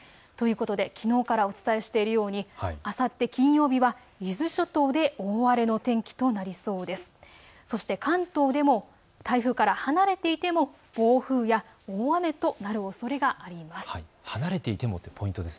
きのうからお伝えしているようにあさって金曜日には伊豆諸島で大荒れの天気となりそうです。